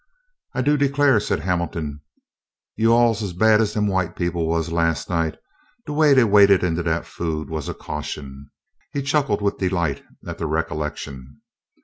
"I do declaih," said Hamilton, "you all 's as bad as dem white people was las' night. De way dey waded into dat food was a caution." He chuckled with delight at the recollection.